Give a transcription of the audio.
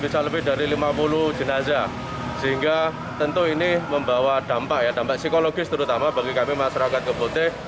sehingga tentu ini membawa dampak ya dampak psikologis terutama bagi kami masyarakat keputi